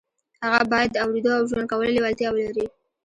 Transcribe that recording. هغه بايد د اورېدو او ژوند کولو لېوالتیا ولري.